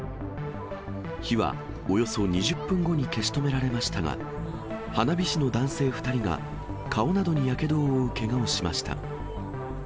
火はおよそ２０分後に消し止められましたが、花火師の男性２人が、顔などにやけどを負うけがをしました。